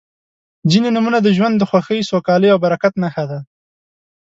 •ځینې نومونه د ژوند د خوښۍ، سوکالۍ او برکت نښه ده.